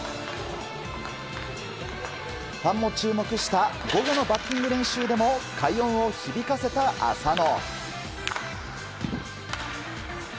ファンも注目した午後のバッティング練習でも快音を響かせた浅野。